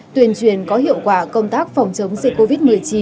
tuyên truyền có hiệu quả công tác phòng chống dịch covid một mươi chín